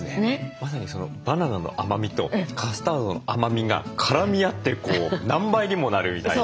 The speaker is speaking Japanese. まさにそのバナナの甘みとカスタードの甘みが絡み合って何倍にもなるみたいな。